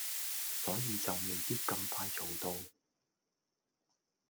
所以就未必咁快做到